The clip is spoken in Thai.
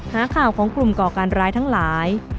หาข่าวของกลุ่มก่อการร้ายทั้งหลาย